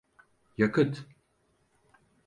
Yakıt…